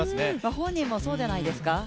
本人もそうじゃないですか。